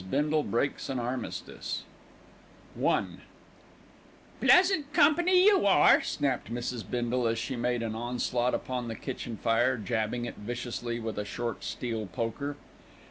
BINDLE BREAKS AN ARMISTICE I "Pleasant company, you are," snapped Mrs. Bindle, as she made an onslaught upon the kitchen fire, jabbing it viciously with a short steel poker.